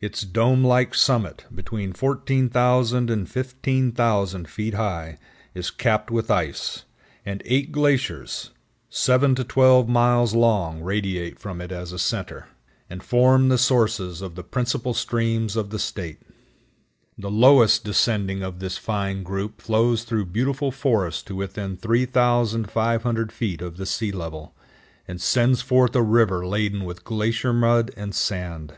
Its dome like summit, between 14,000 and 15,000 feet high, is capped with ice, and eight glaciers, seven to twelve miles long, radiate from it as a center, and form the sources of the principal streams of the State. The lowest descending of this fine group flows through beautiful forests to within 3500 feet of the sea level, and sends forth a river laden with glacier mud and sand.